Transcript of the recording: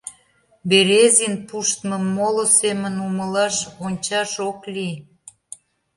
Березин пуштмым моло семын умылаш, ончаш ок лий.